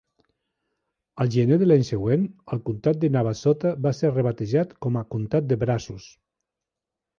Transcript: Al gener de l'any següent, el comtat de Navasota va ser rebatejat com a comtat de Brazos.